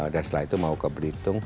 dan setelah itu mau ke belitung